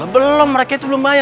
belum mereka itu belum bayar